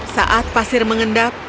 saat pasir mengendap